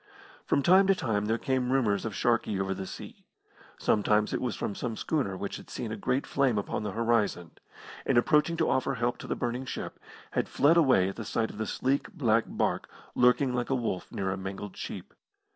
From time to time there came rumours of Sharkey over the sea. Sometimes it was from some schooner which had seen a great flame upon the horizon, and approaching to offer help to the burning ship, had fled away at the sight of the sleek, black barque, lurking like a wolf near a mangled sheep.